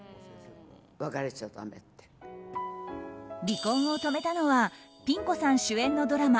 離婚を止めたのはピン子さん主演のドラマ